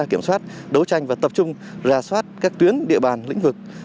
kiểm soát đấu tranh và tập trung ra soát các tuyến địa bàn lĩnh vực